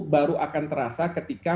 baru akan terasa ketika